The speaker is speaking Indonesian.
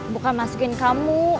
bukan masukin kamu